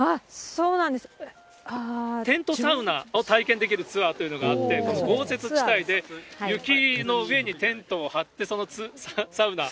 テントサウナを体験できるツアーというのがあって、豪雪地帯で雪の上にテントを張って、そのサウナ。